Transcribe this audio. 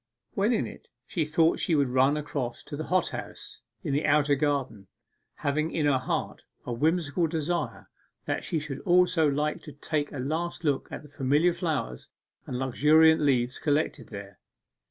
When in it, she thought she would run across to the hot house in the outer garden, having in her heart a whimsical desire that she should also like to take a last look at the familiar flowers and luxuriant leaves collected there.